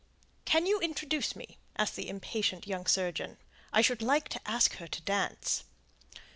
"Can you introduce me?" asked the impatient young surgeon. "I should like to ask her to dance."